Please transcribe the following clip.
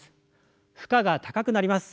負荷が高くなります。